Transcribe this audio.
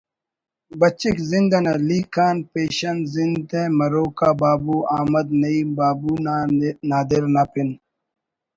بچک زندنا لیک آن پیشن زندہ مروک آ ”بابو“ احمد نعیم بابو نادر نا پن